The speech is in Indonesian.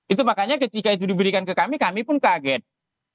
itu makanya ketika itu diberikan ke kami kami pun kaget